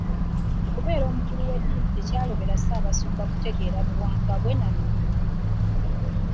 Okubeera omukulu w’eddiini tekyalobera Ssaabasumba kutegeera buwangwa bwe na nnono.